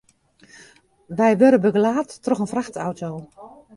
We wurde begelaat troch in frachtauto.